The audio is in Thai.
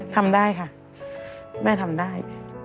ทำได้ค่ะแม่ทำได้